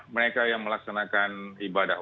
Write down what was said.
mereka yang melaksanakan ibadah